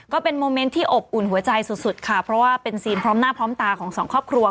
ก็เป็นโมเมนต์ที่อบอุ่นหัวใจสุดสุดค่ะเพราะว่าเป็นซีนพร้อมหน้าพร้อมตาของสองครอบครัว